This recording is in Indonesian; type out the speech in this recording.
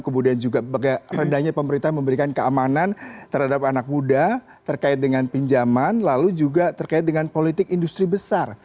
kemudian juga rendahnya pemerintah memberikan keamanan terhadap anak muda terkait dengan pinjaman lalu juga terkait dengan politik industri besar